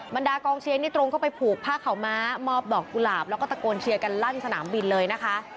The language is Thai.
บรรดากองเชียร์นี่ตรงเข้าไปผูกผ้าขาวม้ามอบดอกกุหลาบแล้วก็ตะโกนเชียร์กันลั่นสนามบินเลยนะคะ